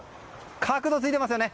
角度がついていますよね。